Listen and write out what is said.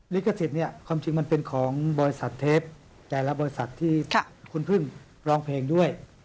ลิขสิทธิ์เนี่ยความจริงมันเป็นของบริษัทเทปแต่ละบริษัทที่คุณพึ่งร้องเพลงด้วย